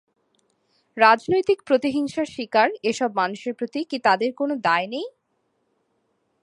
রাজনৈতিক প্রতিহিংসার শিকার এসব মানুষের প্রতি কি তাঁদের কোনো দায় নেই?